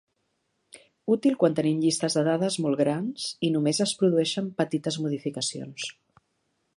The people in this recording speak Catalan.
Útil quan tenim llistes de dades molt grans i només es produeixen petites modificacions.